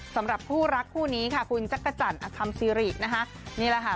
สำหรับคู่รักคู่นี้ค่ะคุณจักรจันทร์อคัมซิรินะคะนี่แหละค่ะ